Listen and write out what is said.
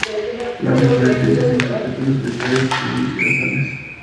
Las inflorescencias en capítulos solitarios, terminales y basales.